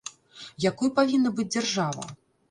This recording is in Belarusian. Якой павінна быць дзяржава?